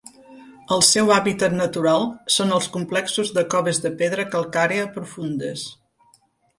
El seu hàbitat natural són els complexos de coves de pedra calcària profundes.